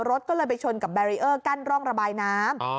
รถก็เลยไปชนกับแบรีเออร์กั้นร่องระบายน้ำ